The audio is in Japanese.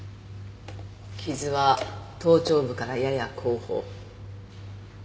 傷は頭頂部からやや後方。